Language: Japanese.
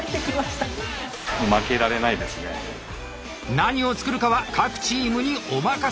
何を作るかは各チームにお任せ。